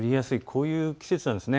こういう季節なんです。